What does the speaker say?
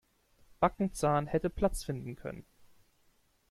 Backenzahn hätte Platz finden können.